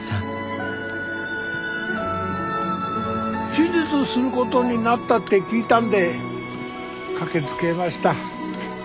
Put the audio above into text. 手術することになったって聞いたんで駆けつけました。